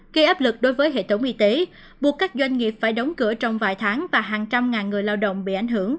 gây áp lực đối với hệ thống y tế buộc các doanh nghiệp phải đóng cửa trong vài tháng và hàng trăm ngàn người lao động bị ảnh hưởng